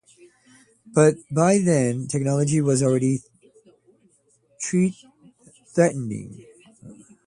But by then, technology was already threatening.